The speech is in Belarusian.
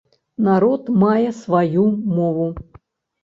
Народ мае сваю мову.